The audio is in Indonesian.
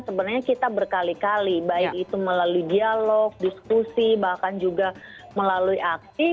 sebenarnya kita berkali kali baik itu melalui dialog diskusi bahkan juga melalui aksi